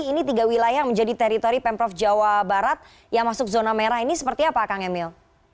ini tiga wilayah yang menjadi teritori pemprov jawa barat yang masuk zona merah ini seperti apa kang emil